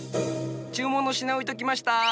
注文の品置いときました。